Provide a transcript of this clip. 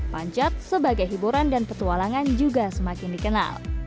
pancat sebagai hiburan dan petualangan juga semakin dikenal